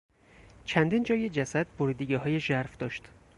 چندین جای جسد بریدگیهای ژرفی داشت.